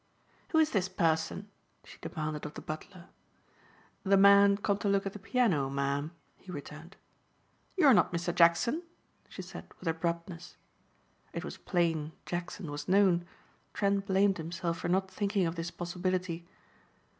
"Who is this person?" she demanded of the butler. "The man come to look at the piano, ma'am," he returned. "You're not Mr. Jackson," she said with abruptness. It was plain Jackson was known. Trent blamed himself for not thinking of this possibility.